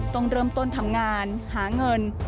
ต้องเริ่มต้นทำงานหาเงิน